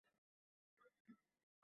বিক্রম নিজেই তো যখন-তখন টাল হয়ে যায়!